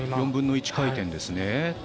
４分の１回転ですね。